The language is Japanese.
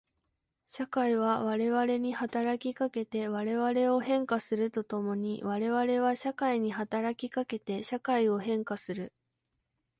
社会は我々に働きかけて我々を変化すると共に我々は社会に働きかけて社会を変化する。